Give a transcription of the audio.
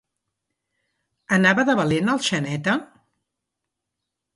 Anava de valent el Xaneta?